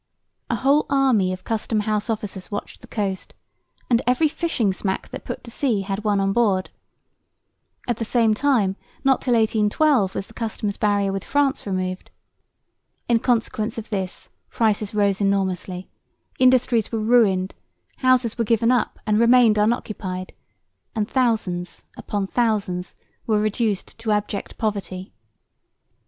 A whole army of custom house officers watched the coast, and every fishing smack that put to sea had one on board. At the same time not till 1812 was the customs barrier with France removed. In consequence of this prices rose enormously, industries were ruined, houses were given up and remained unoccupied, and thousands upon thousands were reduced to abject poverty.